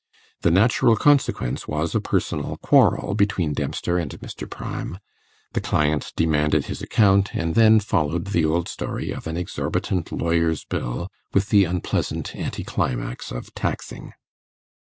The natural consequence was a personal quarrel between Dempster and Mr. Pryme; the client demanded his account, and then followed the old story of an exorbitant lawyer's bill, with the unpleasant anti climax of taxing.